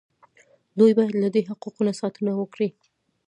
دوی باید له دې حقوقو ساتنه وکړي.